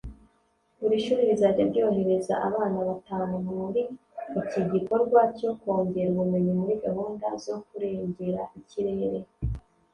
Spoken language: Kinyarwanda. Buri shuri rizajya ryohereza abana batanu muri iki gikorwa cyo kongera ubumenyi muri gahunda zo kurengera ikirere